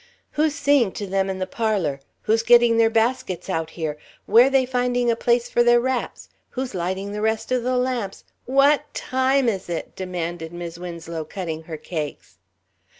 "Who's seeing to them in the parlour? Who's getting their baskets out here? Where they finding a place for their wraps? Who's lighting the rest of the lamps? What time is it?" demanded Mis' Winslow, cutting her cakes.